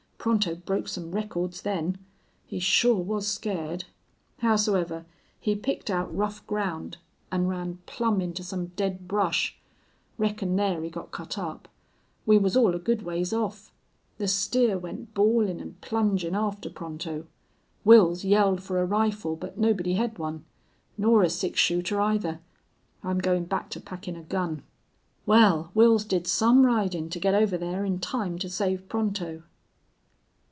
Pronto broke some records then. He shore was scared. Howsoever he picked out rough ground an' run plumb into some dead brush. Reckon thar he got cut up. We was all a good ways off. The steer went bawlin' an' plungin' after Pronto. Wils yelled fer a rifle, but nobody hed one. Nor a six shooter, either.... I'm goin' back to packin' a gun. Wal, Wils did some ridin' to git over thar in time to save Pronto."